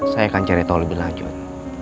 saya akan cerita lebih lanjut